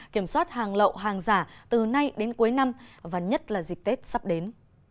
kiểm soát hàng lậu hàng giả từ nay đến cuối năm và nhất là dịp tết sắp đến